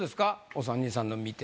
お３人さんの見て。